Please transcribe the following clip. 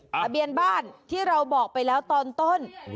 ทะเบียนบ้านที่เราบอกไปแล้วตอนต้น